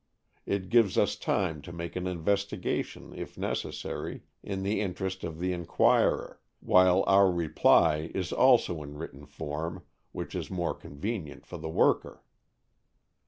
It gives us time to make an investigation, if necessary, in the interest of the inquirer, while our reply is also in written form, which is more convenient for the worker.